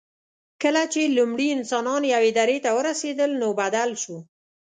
کله چې لومړي انسانان یوې درې ته ورسېدل، نو بدل شو.